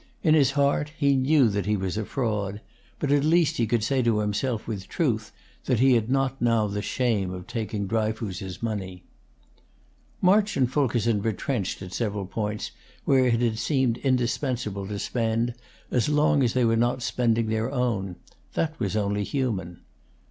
In his heart he knew that he was a fraud; but at least he could say to himself with truth that he had not now the shame of taking Dryfoos's money. March and Fulkerson retrenched at several points where it had seemed indispensable to spend, as long as they were not spending their own: that was only human.